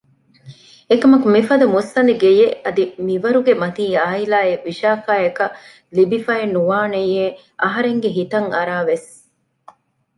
އެކަމަކު މިފަދަ މުއްސަނދި ގެޔެއް އަދި މިވަރުގެ މަތީ އާއިލާއެއް ވިޝާއަކަށް ލިބިފައެއް ނުވާނެޔޭ އަހަރެންގެ ހިތަށް އަރާވެސް